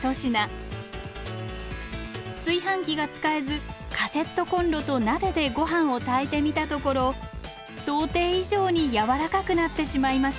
炊飯器が使えずカセットコンロと鍋でごはんを炊いてみたところ想定以上にやわらかくなってしまいました。